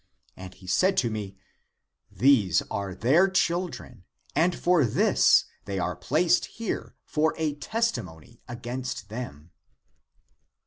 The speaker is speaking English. And he said to me, These are their children and for this they are placed here for a testimony against them.